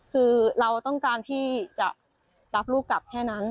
คือเราต้องการที่จะรับลูกกลับแค่นั้น